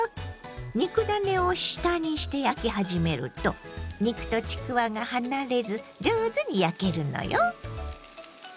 肉ダネを下にして焼き始めると肉とちくわが離れず上手に焼けるのよ。